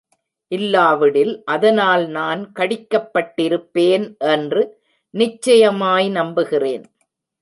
இல்லாவிடில் அதனால் நான் கடிக்கப்பட்டிருப்பேன் என்று நிச்சயமாய் நம்புகிறேன்.